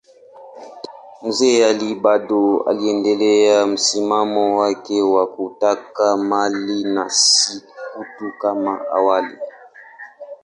Mzee Ali bado aliendelea msimamo wake wa kutaka mali na si utu kama awali.